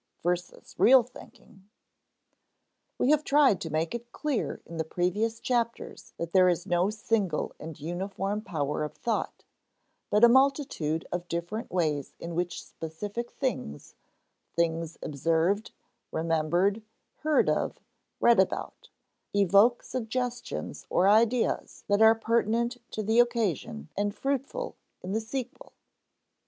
[Sidenote: versus real thinking] We have tried to make it clear in the previous chapters that there is no single and uniform power of thought, but a multitude of different ways in which specific things things observed, remembered, heard of, read about evoke suggestions or ideas that are pertinent to the occasion and fruitful in the sequel.